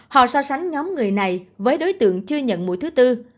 họ so sánh nhóm người này với đối tượng chưa nhận mũi thứ tư